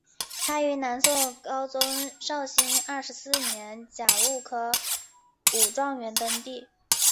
他于南宋高宗绍兴二十四年甲戌科武状元登第。